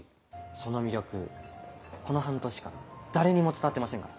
その魅力この半年間誰にも伝わってませんから。